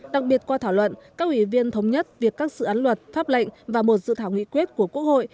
đặc biệt qua thảo luận các ủy viên thống nhất việc các dự án luật pháp lệnh và một dự thảo nghị quyết của quốc hội